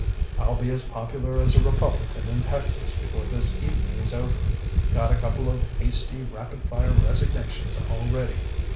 I'll be as popular as a Republican in Texas before this evening is over. Got a couple of hasty rapid fire resignations all ready.